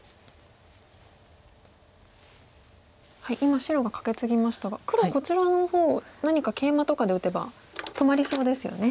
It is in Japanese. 今白がカケツギましたが黒こちらの方何かケイマとかで打てば止まりそうですよね。